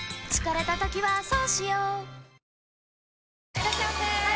いらっしゃいませ！